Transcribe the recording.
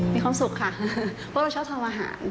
มีความสุขค่ะโาว้ชอบทำอาหาร